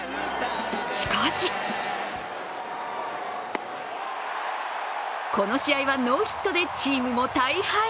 しかしこの試合はノーヒットでチームも大敗。